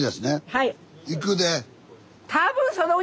はい。